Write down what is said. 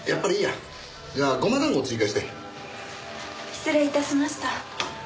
失礼致しました。